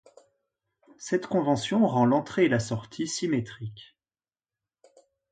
Cette convention rend l'entrée et la sortie symétriques.